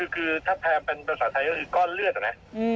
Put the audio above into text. คือถ้าแรมเป็นภาษาไทยก็คือก้อนเลือดนะ